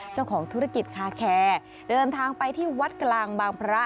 เจ้าของธุรกิจคาแคร์เดินทางไปที่วัดกลางบางพระ